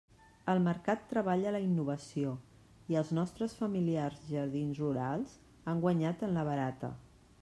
El mercat treballa la innovació i els nostres familiars jardins rurals han guanyat en la barata.